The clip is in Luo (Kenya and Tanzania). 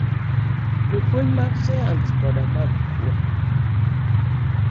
Jopuonj mag sayans koda mag kuo